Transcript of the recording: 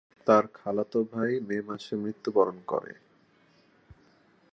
তার খালাতো ভাই মে মাসে মৃত্যুবরণ করে।